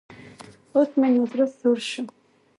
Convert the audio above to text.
اوس مې نو زړۀ سوړ شو.